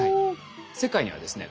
世界にはですね